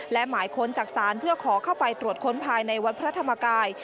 และหมายค้นจากศาลเพื่อขอเข้าไปตรวจค้นภายในวัดพระธรรมกาย